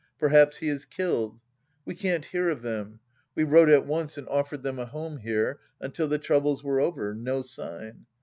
Perhaps he is killed ? We can't hear of them. We wrote at once and offered them a home here until the troubles were over. No sign